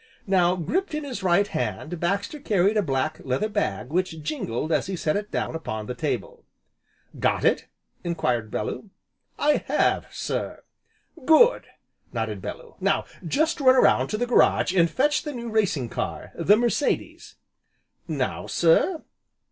Now gripped in his right hand Baxter carried a black leather bag which jingled as he set it down upon the table. "Got it?" enquired Bellew. "I have, sir." "Good!" nodded Bellew. "Now just run around to the garage, and fetch the new racing car, the Mercedes." "Now, sir?"